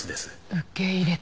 受け入れた。